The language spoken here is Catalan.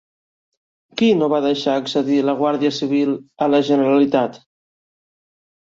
Qui no va deixar accedir la Guàrdia Civil a la Generalitat?